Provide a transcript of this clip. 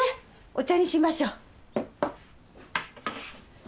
お茶にしましょう。